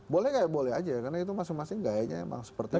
boleh kayak boleh aja ya karena itu masing masing gayanya emang seperti itu